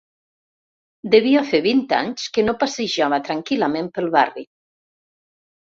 Devia fer vint anys que no passejava tranquil.lament pel barri.